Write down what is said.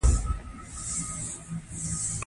رومیان د کولمو صفا ساتي